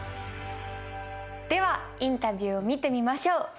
ではインタビューを見てみましょう。